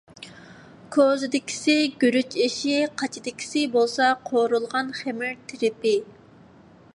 كوزىدىكىسى گۈرۈچ ئېشى، قاچىدىكىسى بولسا، قورۇلغان خېمىر تىرىپى.